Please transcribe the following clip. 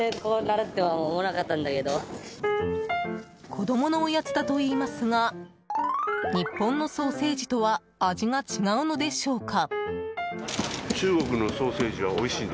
子供のおやつだと言いますが日本のソーセージとは味が違うのでしょうか？